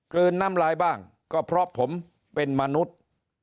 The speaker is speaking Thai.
ลืนน้ำลายบ้างก็เพราะผมเป็นมนุษย์